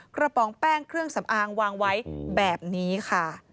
ปองแป้งเครื่องสำอางวางไว้แบบนี้ค่ะ